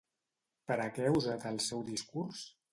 Per a què ha usat el seu discurs?